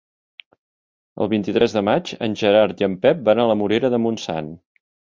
El vint-i-tres de maig en Gerard i en Pep van a la Morera de Montsant.